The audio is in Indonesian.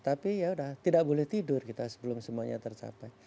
tapi ya sudah tidak boleh tidur kita sebelum semuanya tercapai